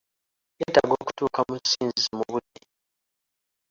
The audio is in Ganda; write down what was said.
Neetaaga okutuuka mu ssinzizo mu budde.